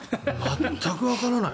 全くわからない。